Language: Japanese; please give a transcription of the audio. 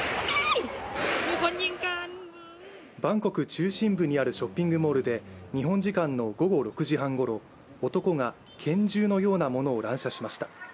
バンコク中心部にあるショッピングモールで日本時間の午後６時半ごろ、男が拳銃のようなものを乱射しました。